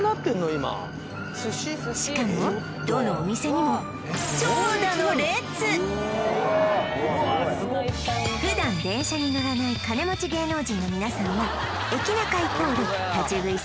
今しかもどのお店にも普段電車に乗らない金持ち芸能人の皆さんは駅ナカイコール立ち食い